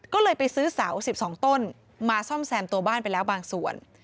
ก็เลยไปซื้อเสา๑๒ต้นมาซ่อมแซมตัวบ้านไปแล้วบางส่วน